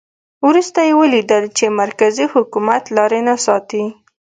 وروسته یې ولیدل چې مرکزي حکومت لاري نه ساتي.